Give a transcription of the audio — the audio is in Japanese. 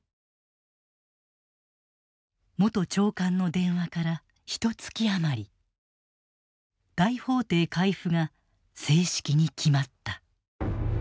元長官の電話からひとつき余り大法廷回付が正式に決まった。